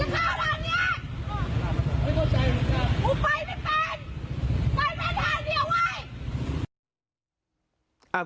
ไม่ได้เอา